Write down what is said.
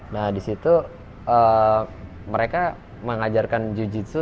nah disitu mereka mengajarkan jiu jitsu